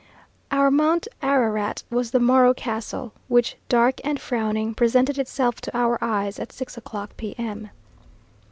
Our Mount Ararat was the Morro Castle, which, dark and frowning, presented itself to our eyes, at six o'clock, P.M.